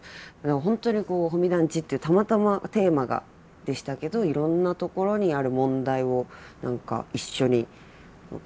本当にこう保見団地っていうたまたまテーマがでしたけどいろんな所にある問題を何か一緒に考えれる。